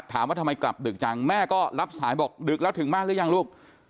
ถามว่าทำไมกลับดึกจังแม่ก็รับสายบอกดึกแล้วถึงบ้านหรือยังลูก